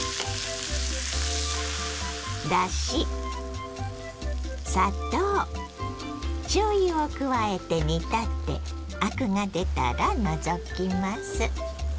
だし砂糖しょうゆを加えて煮立てアクが出たら除きます。